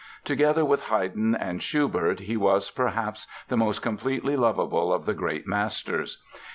Together with Haydn and Schubert he was, perhaps, the most completely lovable of the great masters.